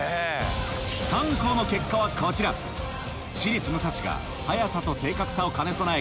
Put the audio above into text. ３校の結果はこちら私立武蔵が速さと正確さを兼ね備え